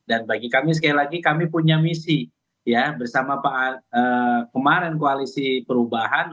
dan bagi kami sekali lagi kami punya misi ya bersama kemarin koalisi perubahan